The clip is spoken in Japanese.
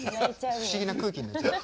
不思議な空気になっちゃった。